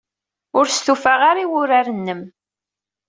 Ur stufaɣ ara i wurar-nnem.